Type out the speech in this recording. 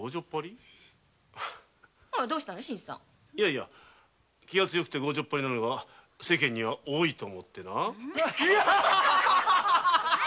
いや気が強くて強情っぱりが世間には多いと思ってな。